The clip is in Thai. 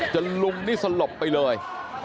จนลุงนี่สลบไปเลย